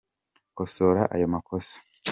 Kosora ayo makosa.